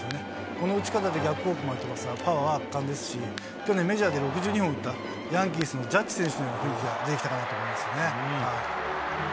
このうち方で逆方向にここまで飛ばすパワーはパワーは圧巻ですし、去年、メジャーで６２本打った、ヤンキースのジャッジ選手のような雰囲気ができたかなと思いますね。